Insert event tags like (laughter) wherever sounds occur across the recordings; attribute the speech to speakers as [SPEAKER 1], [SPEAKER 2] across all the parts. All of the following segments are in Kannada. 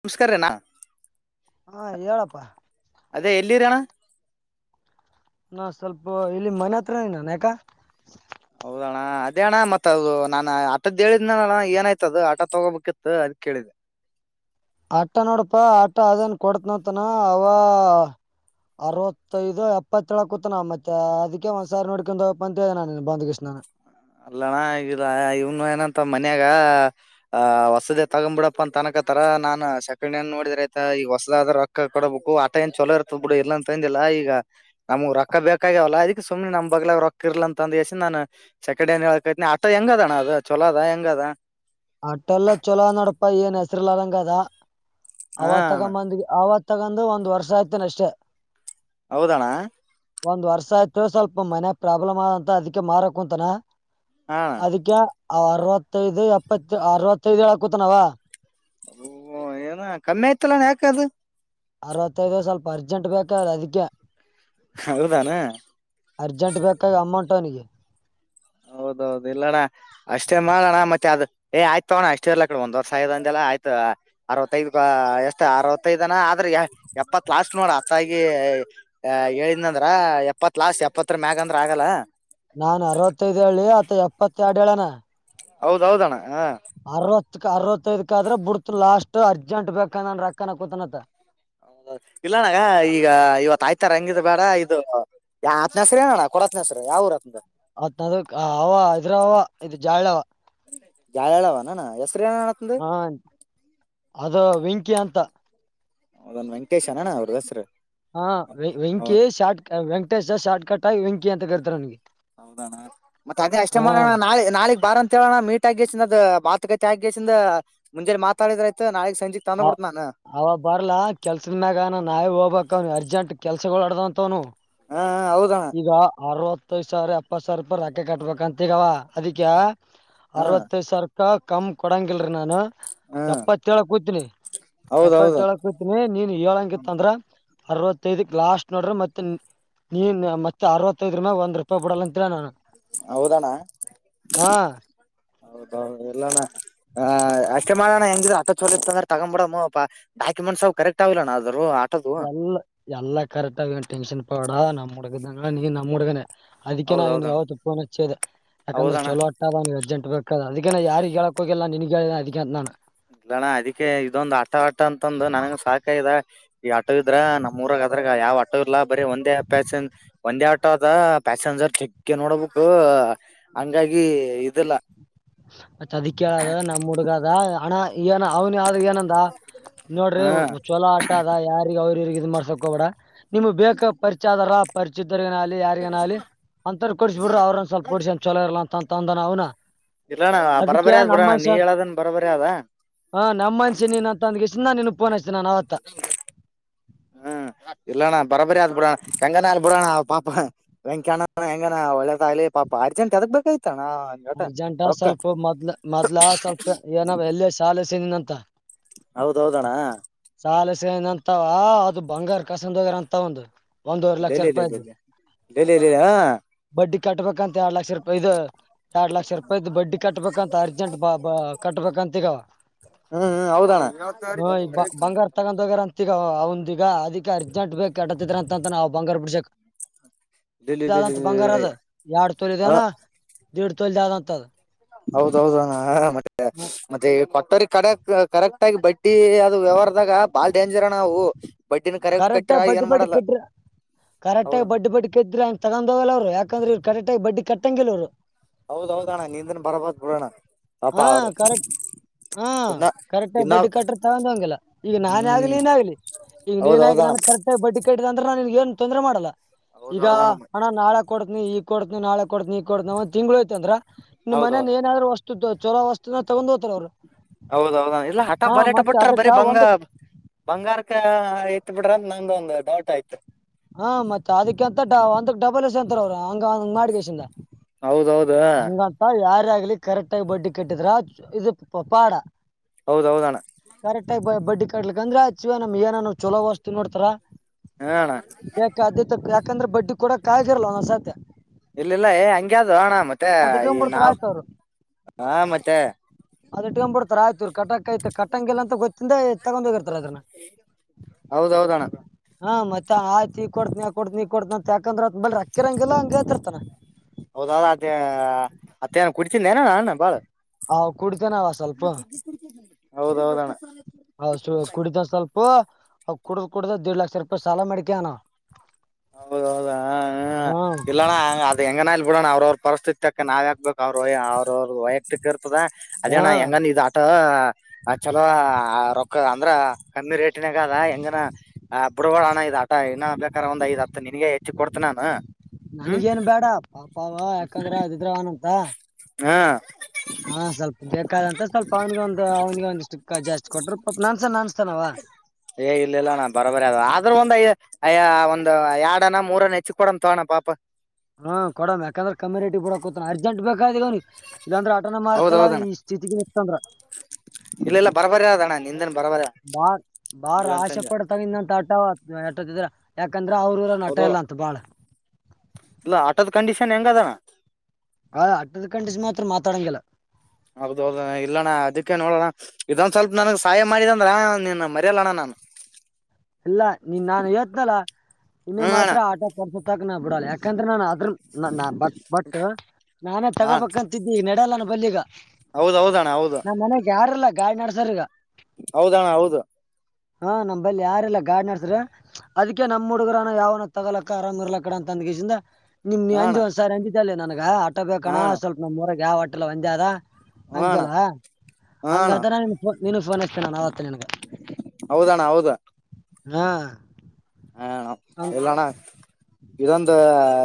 [SPEAKER 1] ನಮಸ್ಕಾರನಾ
[SPEAKER 2] ಹಾ ಹೇಳಪ್ಪಾ
[SPEAKER 1] ಅದೇ ಎಲ್ಲಿರ ಅಣ್ಣ
[SPEAKER 2] ಅಣ್ಣ ಸ್ವಲ್ಪ ಇಲ್ಲಿ ಮನೆ ಹತ್ರನ ಯಾಕ
[SPEAKER 1] ಹೌದ ಅಣ್ಣ ಅದೇ ಅಣ್ಣ ಮತ್ ಅದು ನಾನ ಆಟದ್ದ ಹೇಳಿದ್ನ ಏನಾಯಯ್ತ ಅದು ಆಟ ತೊಗೋಬೇಕಿತ್ತು ಅದ ಕೇಳಿದೆೆ
[SPEAKER 2] ಆಟ ನೋಡಪ್ಪಾ ಆಟ ಅದೇನ್ ಕೊಡತನಂತನ ಅವ ಅರವತ್ತೈದು ಎಪ್ಪತ್ತೇಳ ಕೂತ ನ ಮತ್ತೆ ಅದಕ್ಕೆ ಒಂದ್ಸಾರಿ ನೋಡ್ಕೊಂಡು ಹೋಗ ಅಂತಿದೆ ನಾನ ಬಂಡುಕೆಸೇನ ನಾನು
[SPEAKER 1] ಅಲ್ಲಣ ಆಗಿಲ್ಲ ಇವ್ನು ಏನಂತ ಮನ್ಯಾಗ ಆ್ ವಸದೇ ತಗೊ್ಬ ಬಿಡಪ್ಪ ಅಂತ ತನಕತರ ನಾನ್ ಸೆಕಂಡ್ ನೋಡಿದ್ರ ಆಯತ ಈಗ ಹೊಸದಾದ ಆದ್ರ ರೊಕ್ಕ ಕೊಡಬೇಕು ಆಟ ಏನ್ ಚಲೋ ಇರ್ತದ ಬಿಡು ಇಲ್ಲ ಅಂತಂದಿಲ್ಲ ಈಗ ನಮ್ಗ್ ರೊಕ್ಕ ಬೇಕಾಗ್ಯಾವಲ್ಲ ಅದಕ್ ಸುಮ್ನೆ ನಮ್ ಬಗ್ಲಾಗ ರೊಕ್ಕ ಇರ್ಲ ಅಂತ ಅಂದಸಿ ನಾನು ಸೆಕೆಂಡ್ ನ್ ಹೇಳ್ಕೈತಿನಿ ಅತ ಹೆಂಗ ಅಣ್ಣ ಚಲ ಅದ ಹೆಂಗದ
[SPEAKER 2] ಅಟೆಲ್ಲ ಚೊಲೋ ನೋಡಪಾ ಏನ್ ಹೆಸರುಲ್ಲಾರಂಗ ಅದ
[SPEAKER 1] ಹಾ
[SPEAKER 2] ಅವತ್
[SPEAKER 1] ಅಣ್ಣ
[SPEAKER 2] ತಗೊಂಬಂದ ಅವತ್ ತಗೊಂಡ ಒಂದು ವರ್ಷ ಆಯ್ತೇನೆ ಅಷ್ಟೇ
[SPEAKER 1] ಹೌದಣ್ಣ
[SPEAKER 2] ಒಂದ್ ವರ್ಷ ಆಯ್ತ್ು ಸ್ವಲ್ಪ ಮನೆ ಪ್ರಾಬ್ಲಮ್ ಆದಂತ ಅದಕ್ಕೆ ಮಾರಕ ಕುಂಂತನ
[SPEAKER 1] ಹಾ
[SPEAKER 2] ಅದಕ್ಕೆ ಅರವತ್ತೈದು ಎಪ್ಪತ್ತು ಅರವತ್ತೈದು ಕತ ನಾವ
[SPEAKER 1] ಹು ಹು ಏನ ಕನ್ನೇ ಇತ್ತಅಲ್ಲ ಯಾಕ ಅದ.
[SPEAKER 2] ಅರವತ್ತೈದು ಸ್ವಲ್ಪ ಅರ್ಜೆಂಟ್ ಬೇಕ್ರ ಹೇಳಅದಕ್ಕೆ.
[SPEAKER 1] ಹೌದೇನ.
[SPEAKER 2] ಅರ್ಜೆಂಟ್ ಬೇಕನ ಅಮೌಂಟ್ ಅವ್ನಿಗೆ.
[SPEAKER 1] ಹೌದೌ ಹೌದ ಇಲ್ಲಡ. ಅಷ್ಟೇ ಮಾಡಣ್ಣ ಮತ್ತೆ ಅದ್ ಏ ಆಯ್ತ ತೋಣ ಅಷ್ಟ ಇರ್ಲಕ ಕಡೆ ಒಂದ್ ವರ್ಷ ಆಯ್ತಾ ಅಂತೆಲ್ಲ ಆಯ್ತ. ಅರವತ್ತೈದ್ಕ ಎಷ್ಟ ಅರವತ್ತೈದನ ಆದ್ರೆ ಎಪ್ಪತ್ ಲಾಸ್ಟ್ ನೋಡ ಅತ್ತಾಗಿ ಯಾ ಹೇಳಿನದ್ರ ಎಪ್ಪತ್ ಲಾಸ್ಟ್ ಎಪ್ಪತ್ತರ ಮ್ಯಾಗ ಅಂದ್ರ ಆಗಲ್ಲ.
[SPEAKER 2] ನಾನ್ ಅರವತ್ತೈದ್ ಹೇಳಿ ಅತ್ತ ಎಪ್ಪತ್ತ ಯಾಡ ಹೇಳನ
[SPEAKER 1] ಹೌದೌ ಹೌದ ಅಣ್ಣಾ ಹಾ
[SPEAKER 2] ಅರವತ್ಕ್ ಅರವತ್ತೈದಕ ಆದ್ರ ಬಿಡ್ತು ಲಾಸ್ಟ್ ಅರ್ಜೆಂಟ್ ಬೇಕನ್ ರೊಕ್ಕ ಅನ್ನಕೂತನತ್ತ.
[SPEAKER 1] ಇಲ್ಲನಗ ಈಗ ಇವತ್ತ ಆಯ್ತಾರ ಹಂಗಿದ ಬೇಡ ಇದು ಯಾತ್ನ ಹೆಸ್ರರ ಹೇಳ ಅಣ್ಣ ಕೊಡತ್ನ ಹೆಸ್ರರ ಯಾವಊರ ಅತ್.
[SPEAKER 2] ಅತ್ ಅದಕ್ಕ್ ಅವ ಇದ್ರ ಅವ ಇದು ಜಾಯಳ್ವ
[SPEAKER 1] ಜಾಯಳವನಣ ಹೆಸ್ರ ಹೇಳ ಅಣ್ಣ.
[SPEAKER 2] ಹಾ ಅದ ವೆಂಕಿ ಅಂತಾ.
[SPEAKER 1] ಹೌದೊನ್ ವೆಂಕಟೇಶ ಅನಣ್ಣ ಅವ್ರ ಹೆಸರ.
[SPEAKER 2] ಹಾ ವೆಂಕಿ ಶಾಟ ಕ ವೆಂಕಟೇಶ್ ಶಾಟ್ ಕಟ್ ಆಗಿ ವೆಂಕಿ ಅಂತ ಕರಿರ್ತಾರೆ ಅವನ್ಗೆ.
[SPEAKER 1] ಹೌದಣ ಮತ್ತ ಅದ ಅಷ್ಟೇ ಮಾಡೋಣ ನಾಳೆ ನಾಳಗ್ ಬಾರ ಅಂತ. ಮತ್ತೇಣ ಮೀಟ್ ಆಗಸಿಂದ ಮಾತುಕತೆ ಆಗಿ ಕಾಸಿಂದ ಮುಂಜೆಲಿ ಮಾತಾಡಿದ್ರತ ನಾಳೆಗೆ ಸಂಜಿ ತಂದ
[SPEAKER 2] ಅ
[SPEAKER 1] ಬಿಡತ್ತನಾ
[SPEAKER 2] ಅವ ಬರ್ಲಾ ಕೆಲ್ಸದ ಮ್ಯಾಗಾ ನಾ ನಾಳೆ ಹೋಗ್ಬೇಕ ಅವನ ಅರ್ಜೆಂಟ್ ಕೆಲ್ಸಗಳು ಅಡ್ದಂತವನು.
[SPEAKER 1] ಹಾ ಹೌದಣ.
[SPEAKER 2] ಈಗ ಅರವತ್ತೈದ ಸಾವಿರ ಎಪ್ಪತ್ತ ಸಾವಿರ ರೂಪಾಯಿ ರಾಕಿ ಕಟ್ಬೇಕಂತ ಈಗವ ಅದಕ್ಕೆ
[SPEAKER 1] ಹಾ
[SPEAKER 2] ಅರವತ್ತೈದ್ ಸಾವರೂಪಾಯಿ ಕಮ್ ಕೊಡಂಗಿಲ್ರಿ ನಾನು.
[SPEAKER 1] ಹಾ
[SPEAKER 2] ಎಪ್ಪತ್ತೇಳ ಕೂತನಿ
[SPEAKER 1] ಹೌದೌದು
[SPEAKER 2] ಎಪ್ಪತ್ತೇಳಕ್. (unintelligible) ನೀನ್ ಏಳಂಗಿತ್ ಅಂದ್ರ ಅರವತ್ತೈದಕ್ ಲಾಸ್ಟ್ ನೋಡ್ರಿ ಮತ ಇನ್ನ (inaudible) ನೀನ್ ಮತ್ತ ಅರವತ್ತಐದರ ಮ್ಯಾಲ್ ಒಂದ ರೂಪಾಯಿ ಬಿಡ ಅಂತಿಲ್ಲ ನ
[SPEAKER 1] ಹೌದಣ್ಣ (inaudible) ಹೌದೌ ಹೌದ ಇಲ್ಲಣ್ಣ. ಆಹ್ ಅಷ್ಟಮಾಡ್ಡಣ್ಣ ಹೆಂಗ್ಇದ್ರು ಅಷ್ಟ್ ಚೋಲಇತ್ತದ್ರ ತಗಂಬಡಮೋ ಅಪ್ಪಾ ಡಾಕ್ಯುಮೆಟ್ ಸವು ಕರೆಕ್ಟ್ ಅವಲ್ಲಿನ ಅದ್ರವು.
[SPEAKER 2] ಎಲ್ಲ ಎಲ್ಲಾ ಕರೆಕ್ಟ್ಗ ಟೆನ್ಷನ್ ಕೊಡ ಬೇಡ ನಮ್ಮ್ ಹುಡುಗದಂಗ ನೀ ನಮ್ಮ್ ಹುಡುಗನೆ. ಅದಕ್ಕೆ ನಾ ನಿನ್ಗೆ
[SPEAKER 1] ಹೌದೌದಣ್ಣ
[SPEAKER 2] ಅವತ್ತು ಪೋನ್ಚ್ಚಿದೆ ಯಾಕಂದ್ರೆ
[SPEAKER 1] ಹೌದಣ್ಣ
[SPEAKER 2] ಚಲೋ. ಅದ ಅವನಿಗೆ ಅಜಂಟ್ ಬೇಕ ಅದಕ್ಕೆ ಯಾರಿಗೆ ಹೇಳಕ ಹೋಗಲ್ಲಾ ನಿನ್ಗ ಹೇಳಿನಿ ಅದ್ಗ ಅಂತಾನ.
[SPEAKER 1] ಇಲ್ಲಣ ಅದಕ್ಕೆ ಇದೊಂದು ಆಟ ಆಟ ಅಂತಂದ ನನಗ ಸಾಕಾಗದ. ಈ ಆಟೋ ಇದ್ರ ನಮ್ಮ ಊರಾಗ್ ಅದ್ರಾಗ ಯಾವ್ ಆಟೋ ಇಲ್ಲಾ ಬರೆ ಒಂದೇ ಪ್ಯಾಸನ್ ಒಂದೇ ಆಟೋ ಅದ ಪ್ಯಾಸೆಂಜರ್ ಚಕ್ಗೆ ನೋಡಬೇಕು. ಹಂಗಾಗಿ ಇದಿಲ್ಲಾ.
[SPEAKER 2] ಮತ್ತ್ ಅದಕ್ಕೆ ಹೇಳೋದ್ ನಮ್ಮ್ ಹುಡ್ಗ ಅಣ್ಣ ಏನ ಅವನ ಆದ ಏನಂದ ನೋಡ್ರಿ
[SPEAKER 1] ಹ್ಮ
[SPEAKER 2] ಚೊಲೋ ಅಟ್ಟ ಅದ ಯಾರಿಗೆ ಅವ್ರ ಇವರಿಗೆ ಇದು ಮಾಡ್ಸೋಕ ಹೋಗಬೇಡ ನಿಮ್ಗ ಬೇಕ ಪರಿಚಯ ಆದಾರ ಪರಿಚಯ ಇದ್ದಾರ ಆಗಲಿ ಇಲ್ಲೇ ಯಾರಿಗಏನ ಆಗ್ಲಿ ಅತ್ವರ ಗೆ ಕೊಡಸ ಬಿಟ್ಟರ ಅವ್ರಂದ ಸ್ವಲ್ಪಹೊಡಸಿ ಚಲೋ ಇಲ್ಲ ಅಂತ ಅಂದ ಅವ್ನ.
[SPEAKER 1] ಇಲ್ಲಣ್ಣ
[SPEAKER 2] ಅದಕ್ಕೆ
[SPEAKER 1] ಬರಬರಿ ಆದ್
[SPEAKER 2] ನಮ್ಮ್
[SPEAKER 1] ಬಿಡೋಣ ನೀ
[SPEAKER 2] ಮನ್ಷ್ಯ (unintelligible)
[SPEAKER 1] ಹೇಳದನ್ ಬರಬರಿ ಅದ
[SPEAKER 2] ಹ ನಮ್ಮ ಮನ್ಷೆ ನೀನ್ಂತ. ನನಗ್ ಸುಮ್ಮ್ನೆ ನಿಂಗ್ ಫೋನ ಹಚ್ಚದೆ ನನ್ ಅವತ್ತ.
[SPEAKER 1] (inaudible) ಹ್ಮ್ ಇಲ್ಲಣ್ಣ ಬರಬರಿ ಆತ ಬಿಡ ಹೆಂಗಣ ಬಿಡಣ್ಣ ಪಾಪ. ವೆಂಕ್ಯಣ್ಣ ಹೆಂಗನ ಒಳ್ಳೆದಾಗಲಿ ಪಾಪ ಅರ್ಜೆಂಟ್ ಎದಗ್ ಬಾಯ್ತಣ್ಣ
[SPEAKER 2] ಅರ್ಜೆಂಟಾ ಸ್ವಲ್ಪ ಮೊದ್ ಮೊದ್ಲ ಸ್ವಲ್ಪ ಏನ ಎಲ್ಲೇ ಶಾಲಸನಿನ ಅಂತ
[SPEAKER 1] ಹೌದೌದಣ್ಣ
[SPEAKER 2] ಸಾಲಸ ಅಂತ ಅದು ಬಂಗಾರ ಕಸಂದ ಹೋಗಾರ ಅಂತ ಒಂದು ಒಂದೂವರೆ ಲಕ್ಷ ರೂಪಾಯಿದ್ದು
[SPEAKER 1] ಹಾ
[SPEAKER 2] ಬಡ್ಡಿ ಕಟ್ಬೇಕಂತ ಎರ ಲಕ್ಷ ರೂಾಯಿ ಇದು ಎರಡ್ ಲಕ್ಷ ರೂಪಾಯಿ್ದು ಬಡ್ಡಿ ಕಟ್ಬೇಕಂತ ಅರ್ಜೆಂಟ್ ಬ ಕಟ್ಬೇಕಂತ ಈಗ
[SPEAKER 1] ಹ್ಮ್ ಹ್ಮ್ ಹೌದಣ್ಣ
[SPEAKER 2] ಅತ್ತಗಗಾರ ಅಂತ ಈಗ ಅವಂದ ಈಗ ಅದಕ್ಕೆ ಅರ್ಜೆಂಟ್ ಬೇಕ ಕಟ್ಟತಿದ್ರ ಅಂತ ಅಂತ ನಾವು ಬಂಗಾರ ಬಿಡ್ಸಕ್
[SPEAKER 1] ಲೇಲೆ
[SPEAKER 2] ಾದಂತ ಬಂಗಾರ
[SPEAKER 1] ಲೇಲೆ
[SPEAKER 2] ಅದ ಎರಡ್
[SPEAKER 1] ಹ
[SPEAKER 2] ತೊಳದನ ದಿಡ್ ತೊಲದ ಆದಂತದ
[SPEAKER 1] ಹೌದೌದುಣ ಮತ್ತೆ ಮತ್ತೆ ಕೊಟ್ಟರಿ ಕಡಕ್ ಕರೆಕ್ಟ್ ಆಗಿ ಬಟ್ಟಿ ಅದು ವ್ಯವಹಾರದಾಗ ಬಾಳ್ ಡೇಂಜರ್ ನಾವು
[SPEAKER 2] ಕರೆಕ್ಟ್ಾಗಿ ಬಡ್ ಬಡ್ ಕೆದ್ರ
[SPEAKER 1] ಹೌದ
[SPEAKER 2] ಕರೆಕ್ಾಗಿ ಬಡ್ ಬಡ್ ಕೆದ್ರ ಅ (inaudible)
[SPEAKER 1] ಹೌದ್ ಹೌದು ಅಣ್ಣ ನೀಂದನ್ ಬರಬಾರ್ದ ಬಿಡೋಣ ಪಾಪಾ
[SPEAKER 2] ಹಾ
[SPEAKER 1] ಅವರು,
[SPEAKER 2] ಕರೆಕ್ಟ್ ಹಾ
[SPEAKER 1] ಇನ್ನ
[SPEAKER 2] ಕರೆಕ್ಟ್ ಆಾಗಿ
[SPEAKER 1] ಇನ್ನ
[SPEAKER 2] ಬಡ್ಡಿ ಕಟ್ಟ್ರ ತಗೊಂಡ ಹಂಗಿಲ್ಲ ಈಗ ನಾನೇ ಆಗ್ಲಿ
[SPEAKER 1] ಹ್ಮ್
[SPEAKER 2] ನೀನ್ ಆಗ್ಲಿ, ಈಗ ನೀನ್ ಆಕಿ
[SPEAKER 1] ಹೌದೌದಣ
[SPEAKER 2] ನನ್ ಕರೆಕ್ಟಾಗಿ ಬಡ್ಡಿ ಕಟ್ಟ್ದ ಅಂದ್ರೆ ನಾನಗ ಏನ್ ತೊಂದ್ರೆ ಮಾಡಲ್ಲ ಈಗ
[SPEAKER 1] ಹೌದೌದಣ
[SPEAKER 2] ಹಣ ನಾಳ ಕೊತನಿ ಈಗ ಕೊಡ್ತನ ನಾಳೆ ಕೊತತ್ನ ಈಗ ಕೊಡ್ತ ಒ್ ತಿ್ಳ ಯ್ತ ಅಂದ್ರ ನಿನ್ ಮನೇ ಏನಾದ್ೂಷ್ಟು
[SPEAKER 1] ಹೌದೌದ ಎಲ್ಲ ಹಠ
[SPEAKER 2] ಹಾ
[SPEAKER 1] ಬಲಟ
[SPEAKER 2] ಮತ್ತ್
[SPEAKER 1] ಬಿಟ್ರ
[SPEAKER 2] ಅದಕ್ಕ
[SPEAKER 1] ಬರೀ ಬಂಗ,
[SPEAKER 2] ಒಂದಕ್
[SPEAKER 1] ಬಂಗಾರಕ ಎತ್ ಬಿಟ್ರಂತ ನಂಗ ಒಂದು ಡೌಟ್ ಆಯ್ತು.
[SPEAKER 2] ಹಾ ಮತ್ತತ್ ಅದಕಂತ ಒಂದಕ್ ಡಬಲ್ ಎಸ್ ಎಂತರ ಅವರು ಹಂಗ ಹಂಗ್ ಮಾಡಿಗೇಶಿಂದ,
[SPEAKER 1] ಹೌದೌದ
[SPEAKER 2] ಹ ಯಾರ ಆಗ್ಲಿ ಕರೆಕ್ಟ್ ಆಗಿ ಬಡ್ಡಿ ಕಟ್ಟಿದ್ರ ಇದು ಪ ಪಾಡ,
[SPEAKER 1] ಹೌದೌದಣ್ಣ
[SPEAKER 2] ಕರೆಕ್ಟ್ ಆಗ ಬಡ್ಡಿ ಕಡ್ಲಿಕ್ಕ ಅಂದ್ರೆ ಆಚ್ಚಿವ ನಮ್ ಏನ ಚಲೋ ವಸ್ತ ನೋಡ್ತಾರ,
[SPEAKER 1] ಹೇಳು ಅಣ್ಣ
[SPEAKER 2] ಯಾಕ ಅದೇ ಯಾಕಂದ್ರೆ ಬಡ್ಡಿ ಕೊಡಕ್ ಆಗಾಗಿರಲ್ಲ ನ್ಸತ್ಯ ಅದ್ ಇಟ್ಕೊಂಡ್ಬಿಡ್ತಾರ ಆಯ್ತ್ ಅವ್ರು
[SPEAKER 1] ಏ
[SPEAKER 2] ಅದು ಕ್ಕೆುಡ್ತ ರಾಯತೂ ಕಟಕ್ ಕಟ್ಟಂಗಿಲ್ಲ ಅಂತ ಗೊತ್ತಿಂದ ತಗೊಂಡ ಹೋಗಿರ್ತಾರ ಅದನ್ನ
[SPEAKER 1] ಹೌದೌದಣ್ಣ
[SPEAKER 2] ಹಾ ಮತ್ತತ್ ಆಯ್ತಿ ಈ ಕೊಡ್ತಿ ಆ ಕೊಡ್ತಿ ಈ ಕೊಡ್ತಿ ಅಂತಾಕಂದ್ರತ್ ಬಿ ಅಕ್ಕಿರಂಗಲ್ಲ ಹಂಗ ಹೇತಿತಾ.
[SPEAKER 1] ಹೌದ ಅದೇ ಅತ್ತೇಏನ ಕುಡ್ತಿದ್ದ ಏನ ನನ್ ಬಾಳ,
[SPEAKER 2] ಹಾ ಕುಡ್ತೇನ ಅವ ಸ್ವಲ್ಪ
[SPEAKER 1] ಹೌದೌದಣ್ಣ
[SPEAKER 2] ಹ ಕುಡಿದ ಸ್ವಲ್ಪ ಅವ ಕುಡ್ದ್ ಕುಡುದ್ದ ದೇಡ್ ಲಕ್ಷ ರೂಪಾಯಿ ಸಾಲ ಮಾಡ್ಕ್ಯನ
[SPEAKER 1] ಹೌದೌ ಹೌದು ಹಾ
[SPEAKER 2] ಹ್ಮ್
[SPEAKER 1] ಇಲ್ಲಣ್ಣ ಅದ ಹೆಂಗನಲ್ ಬಿಡಣ ಅವ್ರ ಅವ್ರ ಪರಿಸ್ಥಿತಿಕ್ಕೆ ನಾವ್ ಕ್ಬೇಕು ಅವ್ರ ಅವ್ರವ್ರ ವಯ ಕ್ಕ ಇರ್ತದ ಅದೇಣ
[SPEAKER 2] ಹ್ಮ್
[SPEAKER 1] ಹೆಂಗಾನ ಇದ ಆಟೋ ಚಲೋ ರೊ, ಅಂದ್ರ ಕಮ್ಮಿ ರೇಟಿನೇಗದ ಹೆಂಗನ ಆ ಬುಡ್ಗ ಹಣ ಇದ ಆಟಾ ಇನ್ನ ಬೇಕಾರೆ ಒಂದ್ಐದ್ ಹತ್ತು ನಿನ್ಗೆ ಹೆಚ್ಚು ಕೊಡ್ತ ನಾನು ಹ್ಮ್
[SPEAKER 2] ನನಗೇನ್ ಬೇಡ ಪಾಪಾವ ಯಾಕಂದ್ರ ಅದಿದ್ರ ಅವನಂತ,
[SPEAKER 1] ಹಾ
[SPEAKER 2] ಹಾ ಸ್ವಲ್ಪ ಬೇಕಾದಂತ ಸ್ವಲ್ಪ ಅವನಿಗ ಒಂದು ಅವ್ನಿಗೆ ಒಂದಿಷ್ಟ ಜಾಸ್ತಿ ಕೊಟ್ರರು ಪ ನನ್ಸ ನ ಅನ್ಸ್ತಾನವ
[SPEAKER 1] ಏ ಇಲ್ಲ ಇಲ್ಲ ನ ಬರೋಬರಿ ಅ ಆದ್ರೂ ಒಂದುಯ ಅಯ ಒಂದು ಎರಡ ಅನ ಮೂರನ ಹೆಚ್ಚ ಕೊಡಂತ ಪಾಪ
[SPEAKER 2] ಹ್ಮ ಕೊಡ ಯಾಂದ್ರ ಕಮ್ಯುನಟಿ ಬಿಡಕತ ಅರ್ಜಂಟ್ ಬೇಕಾದಗವ ಇದಂದ್ರ ಆಟನ ಮಾರತಲ್ಲ
[SPEAKER 1] ಹೌದೌದಣ್ಣ
[SPEAKER 2] ಈ ಸ್ಥಿತಿಗೆ ನಿತಂದ್ರ
[SPEAKER 1] ಇಲ್ಲ ಇಲ್ಲ ಬರಬರ ಅಣ್ಣ ನಿಂದನ್ ಬರಬರಿ
[SPEAKER 2] ಬಾ ಬಾಳ್
[SPEAKER 1] ಇಲ್ಲ
[SPEAKER 2] ಆಶೆ
[SPEAKER 1] ಅಂತಂದೆ
[SPEAKER 2] ಪಡತಗಿಂದಂತ ಆಟತಿದ್ರ ಯಾಕಂದ್ರ ಅವ್ರರು ಇ ಹುನಾ
[SPEAKER 1] ಹೌದು
[SPEAKER 2] ಟೆ ಲ ಅತ್ ಬಳ
[SPEAKER 1] ಇಲ್ಲ ಆಟೋದ ಕಂಡೀಷನ್ ಹೆಂಗ ಅದ
[SPEAKER 2] ಆ ಹಟ್ಟದ ಕಂಡಿಸಿ ಮಾತ್ರ ಮಾತಾಡಂಗಿಲ್ಲ
[SPEAKER 1] ಹೌದು ಹೌದ ಇಲ್ಲಣ್ಣ ಅದಕ್ಕೆ ನೋಡೋಣ ಇದೊಂದ ಸ್ವಲ್ಪ ನನಗ್ ಸಹಾಯ ಮಾಡಿದ ಅಂದ್ರ ನಿನ್ನ ಮರೆಯೋಣ ನಾನು
[SPEAKER 2] ಇಲ್ಲ ನೀನ್ ನಾನು ಹತ್ನಲ ಇನ್ನು
[SPEAKER 1] ಹ್ಮ್ ಅಣ್ಣ
[SPEAKER 2] ಮಾತ್ರ ಆಟ ಕೊಡ್ಸತ್ತಕ ನಾ ಬಿಡಲ್ಲ ಯಾಕಂದ್ರೆ ನಾನ್ ಅದ್ರ ಬಟ್ ಬಟ್ ನಾನೇ ತಗೋಬೇಕಂತಿದ್ದಿ ನೆಡಲ್ಲಾನ ಬಲ್ಲಿಿಗ
[SPEAKER 1] ಹೌದೌದಣ್ಣ ಹೌದು
[SPEAKER 2] ನಮ್ಮ್ ಮನೆಗ್ ಯಾರಲ್ಲ ಗಾಳಿ ನಡ್ಸ್ರ ಈಗ
[SPEAKER 1] ಹೌದಣ ಹೌದು
[SPEAKER 2] ಹಾ ನಂಬಲ್ಲಿ ಯ ಲ್ಲ ಗಾಡ್ ನಡೆಸ್ರೆ ಅದಕ್ಕೆ ನಮ್ ಹುಡುಗರನ ಯಾವನ ತಗೋಕಕ್ಕ ಆರಾಮ್ ಇರ್ಲಾ ಕಡ ಅಂತ ಅಂದ ಗೀಜಿಂದ ನಿಮ್ ನೀ
[SPEAKER 1] ಹಾ
[SPEAKER 2] ಅಜ್
[SPEAKER 1] ಅಣ್ಣ
[SPEAKER 2] ಒಂದ್ಸರಿ ಅಂಜಿದಲ್ಲಿ ನನ್ಗ ಆಟೋ ಬೇಕಣ
[SPEAKER 1] ಹಾ ಅಣ್ಣ
[SPEAKER 2] ಸ್ವಲ್ಪ ನಮ್ಮ್ ಹೊರಗೆ ಯಾವ ಆಟೆಲ್ಲ ಒಂದಾರ
[SPEAKER 1] ಹಾ ಅಣ್ಣ
[SPEAKER 2] ಅಂತೆಲ್ಲಾ
[SPEAKER 1] ಹಾ ಅಣ್ಣ
[SPEAKER 2] ಹಂಗತೋ ನೀನು ಫೋನ್ ಹ್ತೇನೆ ನಾನನ್ ಅವತ್ತ ನನ್ಗ
[SPEAKER 1] ಹೌದಣ್ಣ ಹೌದಾ
[SPEAKER 2] ಹಾ ಹಂಗ್
[SPEAKER 1] ಇಲ್ಲಣ್ಣ ಇದೊಂದು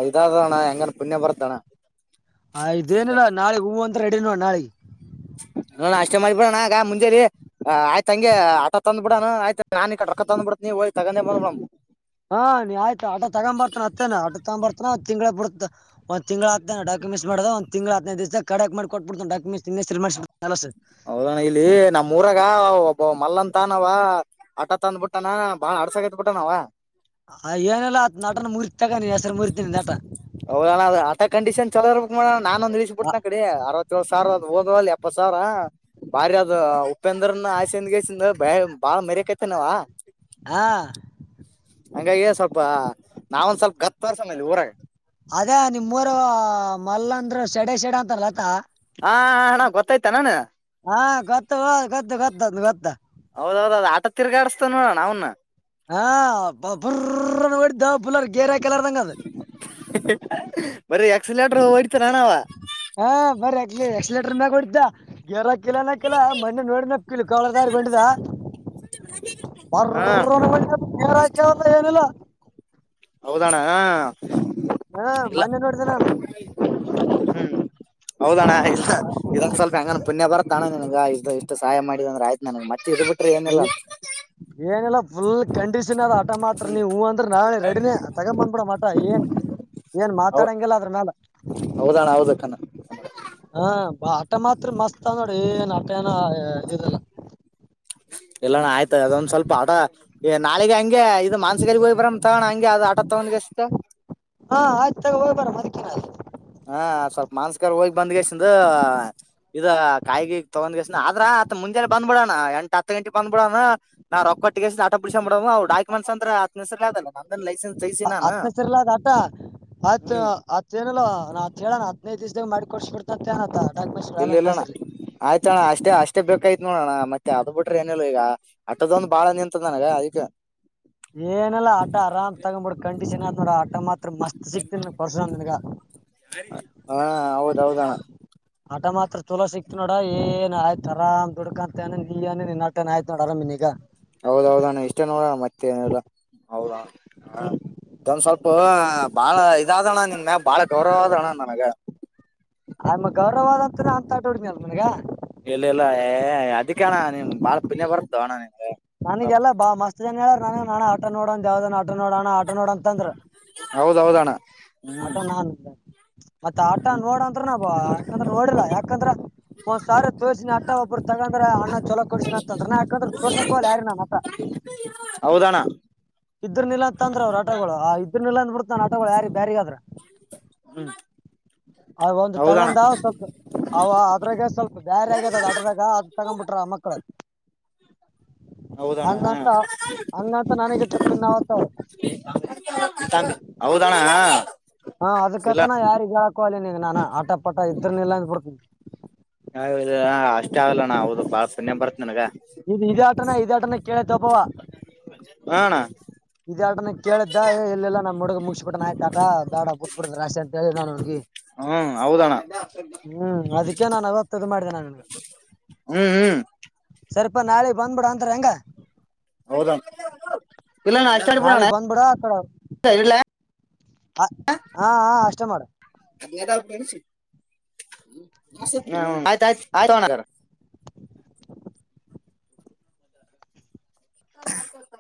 [SPEAKER 1] ಇದಾದಣ್ಣ ಹೆಂಗನ್ ಪುಣ್ಯ ಬರ್ತಣ್ಣ
[SPEAKER 2] ಇದೇನಿಲ್ಲ ನಾಳಗ್ ಹೂವು ಅಂತ ರೆಡಿ ನೋ ನಾಳಿಗೆ
[SPEAKER 1] ನ ಅಷ್ಟೇ ಮಾಡಿಬಡೋಣ ಆಗ ಮುಂಜೆ ಆ ಆಯ್ತ ಹಂಗೆ ಆತ ತಂದ್ ಬಿಡಾನು ಆಯ್ತ ನಾನನ್ ಕ ರಕ್ಕ ತಂದ್ ಬಿಡತ್ ನೀವ ಹೋಗ್ ತಗಂದ ಬಂದ್ಬಡಮ್
[SPEAKER 2] ಹಾ ನೀ ಆಯ್ತ ಆಟ ತಗೊಂಬರ್ತಾನ ಅತ್ತೇನ ಆಟ ತಗೊಂಬ ಬರ್ತಾನ ತಿಂಗಳ ಬಿಡತ ಒಂದ ತಿಂ್ ಹನ ಾಕ್ಯೆಂಸ್ ಮಾಡ ಒಂದ ತಿಂ್ ಹನದು ದಿವಸ ಕಡಕ್ ಮಾಡ ಕೊಟ್ಬಡ್ತ ಾಕುೆಸ್
[SPEAKER 1] ಹೌದಣ ಇಲ್ಲಿ ನಮ್ಮ್ ಊರಾಗ ಒಬ್ಬ ಮಲ್ಲಂತ ನಾವ ಆಟ ತಂದ್ಬುಟ್ಟಾನ ಬಾಳ ಅಡ್ಸಕೈತ್ ಬಿಟ್ಟನಾವ
[SPEAKER 2] ಆ ಏನಲ್ಲ ಆ ನಟನ ಮುರಿತ ತಗಾನ ನೀನ್ ಹೆಸರು ಮುರಿತೀನಿ ನಟ
[SPEAKER 1] ಹೌಣ ಅ ಆಟ ಕಂಡೀಷನ್ ಚಲೋರ್ ಬಕ್ ಮಡಣ ನಾನನ್ಂದ ನಿಳಸಬ ಬಿುತ
[SPEAKER 2] ಆ-
[SPEAKER 1] ನ ಕಡೆ ಅರವತ್ತತ್ೇಳ ಸಾವರ ಹದ ಇಪ್ಪತ್ ಸಾವಿರ ಬಾರಿ ಅದ ಉಪೇಂದ್ರನ ಆಸೆಿಂದಗಸ ಬ ಬಾಳ ಮರಿಯಕೈತ ನಾವ
[SPEAKER 2] ಹಾ
[SPEAKER 1] ಹಂಗಾಗಿ ಸ್ವಲ್ಪ ನಾವ ಒಂದ್ ಸ್ವಲ್ಪ ಗತ್ತು ವರ್ಷನಲ್ಲಿ ಊರಾಗ
[SPEAKER 2] ಅದೇ ನಿಮೂರ ಮಲ್ಲಂದ್ರ ಸೆಡೆ ಸೆಡ ಅಂತಲ್ಲತಾ
[SPEAKER 1] ಹಾ ಹಣ ಗೊತ್ತಾಯ್ತಾ ನಾನು
[SPEAKER 2] ಹಾ ಗೊತ್ತು ಹದು ಗೊದ್ದು ಗೊತ್ತ ಗೊತ್ತ
[SPEAKER 1] ಹೌದೌದ್ ಆಟ ತಿರ್ಗಾಡಸ್ತಾನ ನೋ ನಾ್ನ್ನ
[SPEAKER 2] ಹಾ ಫುಲ್ ಹೊಡ್ದ ಫಲರ್ ಗೇರೆಾ ಕೆಲಾರದಂಗ ಅದ
[SPEAKER 1] ಬರ ಎಕ್ಸಲೆಟರ್ ಒಡ್ತ ನಾನಾವ
[SPEAKER 2] ಹಾ ಬರಿ ಅ ಎಕ್ಸ್ಲೇಟರ್ ಮ್ಯಾಗ ಹೊಡಿದ್ದ ಗೇರ್ಾಕಿಲ್ಲ ನಾಕಿಲ್ಲ ಮನೆ ನೋಡ ಕವಲದಾರಿಗೊಂಡಿದ ಬರ
[SPEAKER 1] ಹಾ
[SPEAKER 2] ಾಕವಲ್ಲ ಏನಿಲ್ಲ
[SPEAKER 1] ಹೌದಣ್ಣ
[SPEAKER 2] ಹಾ ಮೊನ್ನೆ ನೋಡ್ದ ನಾನು
[SPEAKER 1] ಹ್ಮ್ ಹೌದಣ್ಣ ಇಲ್ಲ ಇದೊಂದ ಸ್ವಲ್ಪ ಹೆಂಗ ಪುಣ್ಯ ಬರತ್ತ ಅಣ್ಣ ನಿನ್ಗ ಇದ ಸಹಾಯ ಮಾಡಿದ ಅಂದ್ರೆ ಆಯ್ತ ನನಗ ಮತ್ತೆ ಇದ್ ಬಿಟ್ರೆ ಏನಿಲ್ಲ
[SPEAKER 2] ಏನಲ್ಲಾ ಫುಲ್ ಕಂಡೀಷನ್ ಆದ್ ಆಟ ಮಾತ್ರ ನೀವ್ ಅಂದ್ರೆ ನಾಳೆ ರೆಡಿನೇ ತಗೊಂಬಂದ (unintelligible) ಮಟ ಏನ್ ಏನ್ ಮಾತಾಡಂಗಿಲ್ಲ ಅದರ ಮ್ಯಾಲ
[SPEAKER 1] ಹೌದಣ ಹೌದಕ್ಕಣ
[SPEAKER 2] ಹಾ ಆಟ ಮಾತ್ರ ಮಸ್ತ್ ಅದ ನೋಡಿ ಏನ್ ಆಟ ಏನೋ ಇದಲ್ಲ
[SPEAKER 1] ಇಲ್ಲ ಅಣ್ಣ ಆಯ್ತ ಅದೊಂದ್ ಸ್ವಲ್ಪ ಆಡ ನಾಳಿಗೆ ಹಂಗೆ ಇದ್ ಮನ್ಸಿಗಲ್ ಗೆ ಹೋಗಿ ಬರೋಣ ತಗೋ ಹಂಗೆ ಅದು ಆಟೋ ತಗ್ಗೆಷ್ಟ
[SPEAKER 2] ಹಾ ಆಯ್ತ ತಗೋ ಹೋಗ್ ಬರಮ ಅದುಕೇನ ಆ
[SPEAKER 1] ಹಾ ಸ್ವಲ್ಪ ಮಾನಸ್ಕಾರ್ ಹೋಗಿ ಬಂದ್ಗಸಿಂದ ಇದ ಕಾಯಗಿ ತಗೊಂಡ್ಗೆಸ ಆದ್ರ ಅತ್ ಮುಂಜೆ ಬಂದ್ಬಿಡಣ ಎಂಟ ಹತ್ ಗಂಟೆ ಬಂದ್ಬಿಡೋಣ ನಾ ರೊಕ್ಕಟ್ಟಿಗೆಷ್ಟ ಆಟ ಬಿಡಸ ಮಾಡ್ ಅವ ಡಾಕ್ಯುಮೆಂಟ್ಸ್ ಅಂತರು ಆತನ ಹೆಸರ ಲೇ ಅದವಲ್ಲ
[SPEAKER 2] ಅತ್ನ ಹೆಸರ್ ಲೇ ಅಟ್ ಆತ್
[SPEAKER 1] ಹ್ಮ್
[SPEAKER 2] ಆತ್ ಚೆನಿಲ್ಲ ನಾವ ಕೇಳಣ ಹದನೈದು ದಿವಸದಾಗ ಮಾಡ ಕೊಡ್ಸ್ ಬಿಡ್ತತ್ತೇನತ್ತಗ
[SPEAKER 1] ಇಲ್ಲಿ ಇಲ್ಲಣ್ಣ ಆಯ್ತ ಅಣ್ಣ ಅಷ್ಟೇ ಅಷ್ಟೇ ಬೇಕಾಯ್ತತ್ ನೋಡೋಣ್ಣ ಮತ್ತೆ ಅದ್ ಬಿಟ್ರೆ ಏನಿಲ್ಲ ಈಗ ಆಟೋದ ಒಂದು ಬಾಳ ನಿಂತದ ನನಗ ಅದಕ
[SPEAKER 2] ಏನಿಲ್ಲ ಆಟೋ ಆರಾಮ್ ತಗೊಂಡ್ಬಿಡ್ ಕಂಡೀಷನ್ ಆತ್ ನೋಡು ಆಟೋ ಮಾತ್ರ ಮಸ್ತ್ ಸಿಕ್ತನ ಪರ್ಶಂತ್ನಿಗ
[SPEAKER 1] ಹಾ ಹೌದೌಹೌದ ಅಣ್ಣ
[SPEAKER 2] ಆಟೋ ಮಾತ್ರ ಚಲೋ ಸಿಕ್ತಿ ನೋಡ ಏನ್ ಆಯ್ತು ಆರಾಮ್ ದುಡ್ಕಂತನೆ (unintelligible) ನಿನ್ ಆಯ್ತ್ ನೋಡ ಅರಾಮಿನೀಗ
[SPEAKER 1] ಹೌದೌಹೌದಣ್ಣ ಇಷ್ಟ ನೋಡ ಅಣ ಮತ್ತೆ ಏನಿಲ್ಲ ಹೌದ ಹಾ ಒಂದ್ ಸ್ವಲ್ಪ ಬಾಳ ಇದಾದಣ್ಣ ನಿನ್ ಬಾಳ ಗೌರವ ಅದಣ್ಣ ನನಗ
[SPEAKER 2] ಆತ್ಮ ಗೌರವಾದಂತ ಅಂತ ದುಡಿಮೆ ಅಲ ನನಗ (unintelligible)
[SPEAKER 1] ಇಲ್ಲ ಇಲ್ಲ ಏ ಅದಕ್ಕೆ ಅಣ ನಿಮ್ ಬಾಳ ಪುಣ್ಯ ಬರ್ತ ಅಣ್ಣ ನಿಮ್ಗೆ
[SPEAKER 2] ನನಗೆಲ್ಲಾ ಬಾ ಮಸ್ತ್ ಜನ ಹೇಳೆರಾ (unintelligible) ಆಟೊ ನೋಡೊಂದ್ ಯಾವ್ದಾನ ಆಟೋ ನೋಡಣ್ಣ ಆಟೋ ನೋಡೋ ಅಂತಂದ್ರ್
[SPEAKER 1] ಹೌದೌಹೌದಣ್ಣ
[SPEAKER 2] ಆಟ ನಾನ್ ಮತ್ತ ಆಟ ನೋಡಂದ್ರ ನಾ ಬಾ ಯಾಕಂದ್ರ ನೋಡಿಲ್ಲ ಯಾಕಂದ್ರ ಒಂದ ಸಾವಿರ ತೋರ್ಸಿನಿ ಆಟ ಒಬ್ರು ತಗಂಡ್ರ ಅಣ್ಣ ಚಲೋ ಕೊಡ್ಸಿನಿ ಅಂತಂದ್ರ ನಾ ಯಾಕಂದ್ರ ತೋರ್ಸಕ ಹೋಗಿಲ್ಲ ನಾ ಯಾರಿಗೆ ಮತ್ತ್
[SPEAKER 1] ಹೌದಣ್ಣ
[SPEAKER 2] ಇದ್ರುನು ಇಲ್ಲ ಅಂತಂದ್ರ ಅವ್ರ್ ಆಟೋಗಳು ಆ ಇದ್ರುನು ಇಲ್ಲ ಅಂದ್ಬಿಡ್ತ್ ನಾನ್ ಆಟೋಗಳು ಯಾರಿಗೆ ಬ್ಯಾರಿ ಆದ್ರ
[SPEAKER 1] ಹ್ಮ್ (unintelligible)
[SPEAKER 2] ಅವ ಒಂದು ತಗಂದ ಸ್ವಲ್ಪ ಅವ ಅದ್ರಾಗ ಸ್ವಲ್ಪ ದಾರಿ ಆಗ್ಯದ ಅದ ಆಟೋದಾಗ ಅದ್ ತಗೊಂಬಿಟ್ರ ಮಕ್ಳು
[SPEAKER 1] ಹೌದಣ್ಣ
[SPEAKER 2] ಹಂಗಂತ ಹಂಗಂತ ನನಗೆ ಇಟ್ಟರ ಪಿನ್ ಆವತ್ತೂ ಅವರ
[SPEAKER 1] (inaudible) ಹೌದ ಅಣ್ಣ
[SPEAKER 2] ಹಾ ಅದಕ್ ಅಂತನ್ ಯಾರಿಗ್ ಹೇಳಕ್ ಹೋಗ್ಲಿ ನಿಂಗ್ ನಾನಾ ಆಟೊ ಪಾಠ ಇದ್ರನು ಇಲ್ಲ ಅಂದ ಬಿಡ್ತನಿ
[SPEAKER 1] ಹ ಅಷ್ಟ ಆಗಲ್ಲಣ ಹೌದು ಬಾಳ ಸುನ್ನಯ ಬರ್ತ ನನ್ಗ
[SPEAKER 2] (unintelligible) ಇದಾಟನು ಕೇಳತ ಒಬ್ಬವ
[SPEAKER 1] ಹಾ ಅಣ್ಣ
[SPEAKER 2] ಇದ ಆಟನ ಕೇಳಿದ್ದ ಏ ಇಲ್ಲೆಲ್ಲ ನಮ್ ಹುಡುಗ ಮುುಗ್ಸ್ ಬಿಟ್ಟಾನ ಆಯ್ತ ಆಟ ಬ್ಯಾಡ ಬುಟ್ಬುಡ್ ರಾಶಿ ಅಂತ ಹೇಳ್ ನಾನ್ ಅವನ್ಗೆ
[SPEAKER 1] ಹೂ ಹೌದ್ ಅಣ್ಣ
[SPEAKER 2] ಅದಕ್ಕೆ ನಾನು ಅವತ್ತು ಇದು ಮಾಡಿದೆ ನಾನು ನಿನ್ಗ
[SPEAKER 1] ಹ್ಮ್ ಹ್ಮ್
[SPEAKER 2] ಸ್ವಲ್ಪ ನಾಳೆಗ ಬಂದ್ಬಿಡ ಅಂದ್ರೆ ಹೆಂಗ
[SPEAKER 1] ಹೌದಾ ಇಲ್ಲ ನಾ
[SPEAKER 2] ನಾಳೆಗ್ ಬಂದ್ಬಿಡ
[SPEAKER 1] (unintelligible)
[SPEAKER 2] ಹ ಹಾ ಹ ಅಷ್ಟೇ ಮಾಡು
[SPEAKER 1] ಆಯ್ತಯ್ತ ಆಯ್ತ ತಗೋ ಅಣ್ಣ ಹ